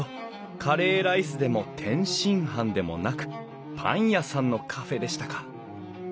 カレーライスでも天津飯でもなくパン屋さんのカフェでしたか。